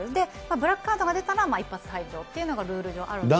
ブラックカードが出たら一発退場というのがルール上あるんですけ